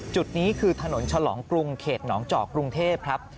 จุดนี้คือถนนฉลองกรุงเขตหนองจอกกรุงเทพครับ